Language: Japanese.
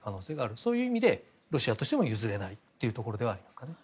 そういう意味で、ロシアとしても譲れないところではありますね。